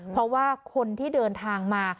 เพราะว่าคนที่เดินทางมา